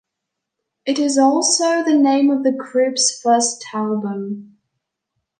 It is also the name of the group's first album.